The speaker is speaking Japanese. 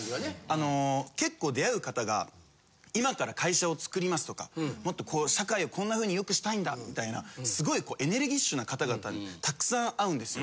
あの結構出会う方が今から会社を作りますとかもっと社会をこんなふうに良くしたいんだみたいなすごいエネルギッシュな方々にたくさん会うんですよ。